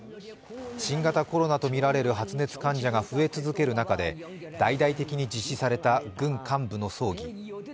新型コロナとみられる発熱患者が増え続ける中で大々的に実施された軍幹部の葬儀。